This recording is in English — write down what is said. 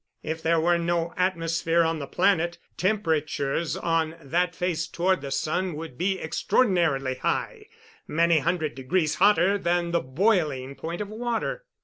If there were no atmosphere on the planet, temperatures on that face toward the sun would be extraordinarily high many hundred degrees hotter than the boiling point of water.